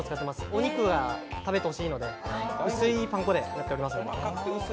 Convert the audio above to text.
お肉を食べてほしいので、薄いパン粉でやっております。